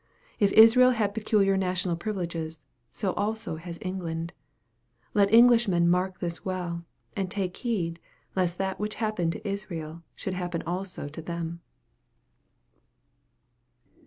If Israel had peculiar national privileges, so also has England. Let English men mark this well, and take heed lest that which happened to Israel should happen also to them.